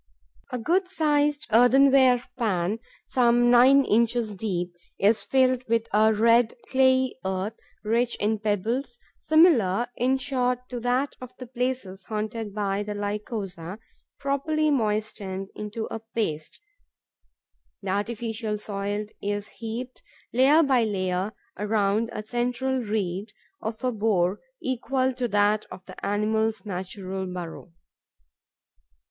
A good sized earthenware pan, some nine inches deep, is filled with a red, clayey earth, rich in pebbles, similar, in short, to that of the places haunted by the Lycosa. Properly moistened into a paste, the artificial soil is heaped, layer by layer, around a central reed, of a bore equal to that of the animal's natural burrow.